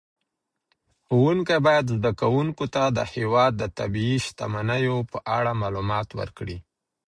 ښوونکي باید زده کوونکو ته د هېواد د طبیعي شتمنیو په اړه معلومات ورکړي.